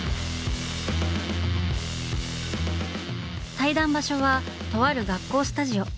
対談場所はとある学校スタジオ。